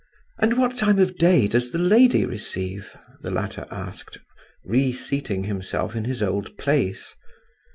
"And what time of day does the lady receive?" the latter asked, reseating himself in his old place.